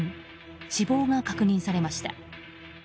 死亡が確認されました。